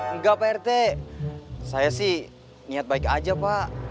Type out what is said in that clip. enggak pak rt saya sih niat baik aja pak